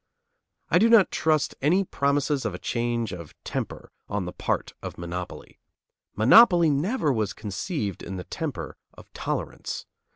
I do not trust any promises of a change of temper on the part of monopoly. Monopoly never was conceived in the temper of tolerance.